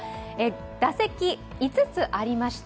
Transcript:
打席、５つありました。